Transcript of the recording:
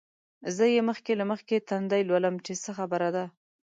زه یې مخکې له مخکې تندی لولم چې څه خبره ده.